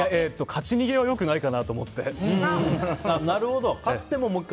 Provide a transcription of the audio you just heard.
勝ち逃げはよくないかなと思って。